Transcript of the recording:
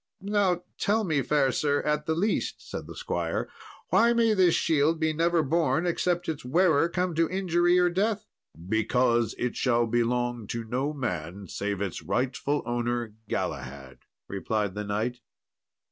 "Now tell me, fair sir, at the least," said the squire, "why may this shield be never borne except its wearer come to injury or death?" "Because it shall belong to no man save its rightful owner, Galahad," replied the knight.